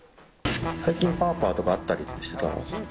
最近パーパーとか会ったりしてた？